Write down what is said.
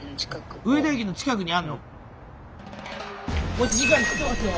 もう１時間切ってますよ。